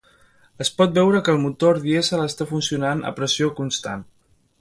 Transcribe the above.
Es pot veure que el motor dièsel està funcionant a pressió constant.